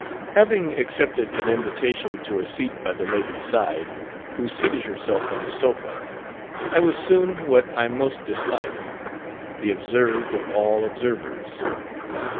Having accepted an invitation to a seat by the lady's side, who seated herself on a sofa, I was soon what I most dislike, "the observed of all observers."